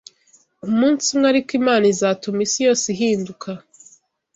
Umunsi umwe ariko Imana izatuma isi yose ihinduka